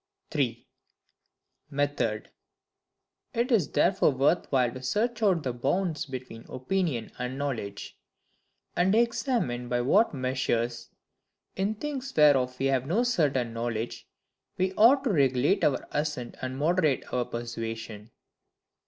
3. Method. It is therefore worth while to search out the bounds between opinion and knowledge; and examine by what measures, in things whereof we have no certain knowledge, we ought to regulate our assent and moderate our persuasion.